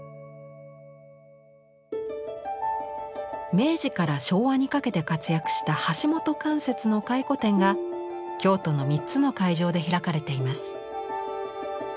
明治から昭和にかけて活躍した橋本関雪の回顧展が京都の３つの会場で開かれています。